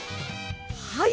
はい！